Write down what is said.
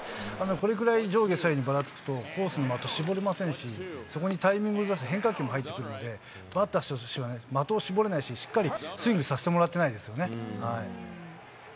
これくらい上下左右にばらつくと、コースの的、絞れませんし、そこにタイミングをずらす変化球も入ってくるので、バッターとしては的を絞れないし、しっかりスイングさせてもらってないですよ